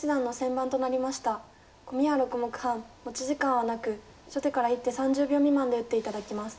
コミは６目半持ち時間はなく初手から１手３０秒未満で打って頂きます。